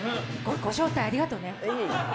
ご招待、ありがとうね。